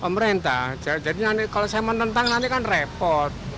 pemerintah jadi kalau saya menentang nanti kan repot